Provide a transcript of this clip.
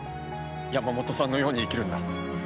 山本さんのように生きなくちゃ。